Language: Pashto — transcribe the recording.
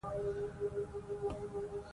کیسه د یو عجیب خوب سره پیلیږي.